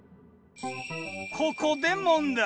ここで問題。